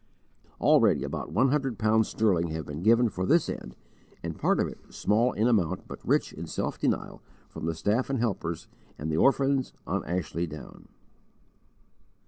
Already about one hundred pounds sterling have been given for this end, and part of it, small in amount but rich in self denial, from the staff of helpers and the orphans on Ashley Down.